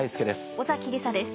尾崎里紗です。